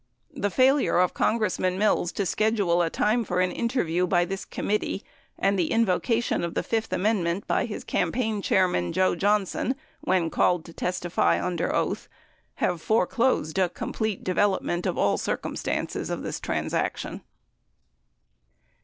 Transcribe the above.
89 The failure of Congressman Mills to schedule a time for interview by this committee and the invocation of the fifth amendment by his campaign chairman, Joe Johnson, when called to testify under oath, have foreclosed a complete development of all circumstances of this transaction.